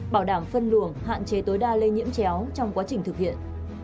bảo đảm phân luồng hạn chế tối đa lây nhiễm chéo trong quá trình thực hiện